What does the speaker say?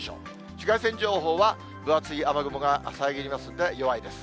紫外線情報は、分厚い雨雲が遮りますんで、弱いです。